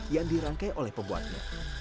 yang dirangkai oleh pembuatnya